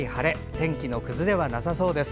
天気の崩れはなさそうです。